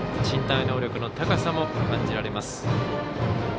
身体能力の高さも感じられます。